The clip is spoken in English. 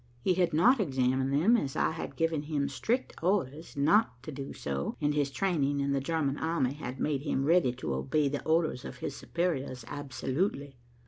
He had not examined them, as I had given him strict orders not to do so, and his training in the German army had made him ready to obey the orders of his superiors absolutely.